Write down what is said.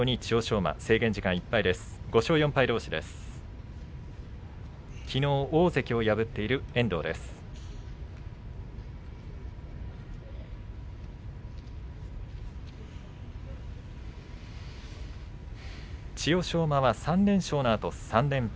馬は３連勝のあと３連敗。